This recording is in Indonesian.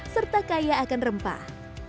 serta kaya akan rempah